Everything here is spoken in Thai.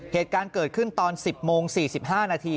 เหตุการณ์เกิดขึ้นตอน๑๐โมง๔๕นาที